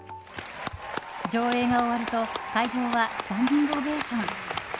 上映が終わると、会場はスタンディングオベーション。